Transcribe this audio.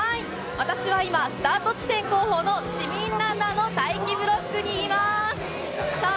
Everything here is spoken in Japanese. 私は今、スタート地点後方の市民ランナーの待機ブロックにいます。